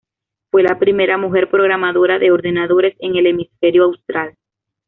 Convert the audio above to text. Fue la primera mujer programadora de ordenadores en el hemisferio austral.